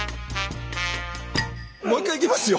もう一回いきますよ？